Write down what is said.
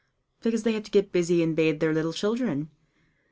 Because they have to get busy and bathe their little children.